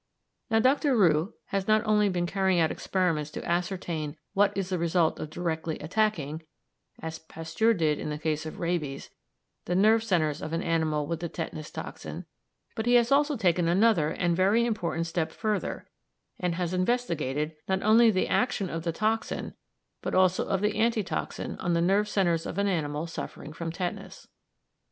Now Dr. Roux has not only been carrying out experiments to ascertain what is the result of directly attacking, as Pasteur did in the case of rabies, the nerve centres of an animal with the tetanus toxin, but he has also taken another and very important step further, and has investigated, not only the action of the toxin, but also that of the anti toxin on the nerve centres of an animal suffering from tetanus.